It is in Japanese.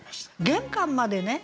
玄関までね